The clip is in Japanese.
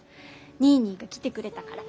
ニーニーが来てくれたから。